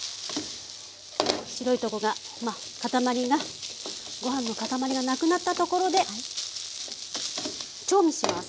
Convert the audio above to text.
白いとこが塊がご飯の塊がなくなったところで調味します。